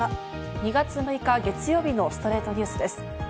２月６日、月曜日の『ストレイトニュース』です。